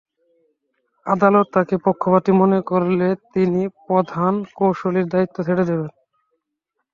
আদালত তাঁকে পক্ষপাতী মনে করলে তিনি প্রধান কৌঁসুলির দায়িত্ব ছেড়ে দেবেন।